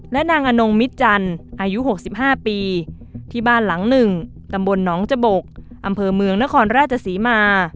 และนางอนงมิตจันทร์อายุ๖๕ปีที่บ้านหลังหนึ่งตำบลหนองจบกอำเภอเมืองนครราชศรีมา